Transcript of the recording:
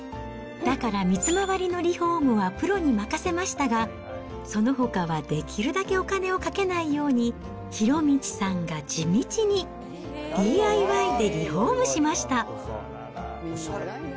だから水回りのリフォームはプロに任せましたが、そのほかはできるだけお金をかけないように、博道さんが地道にＤＩＹでリフォームしました。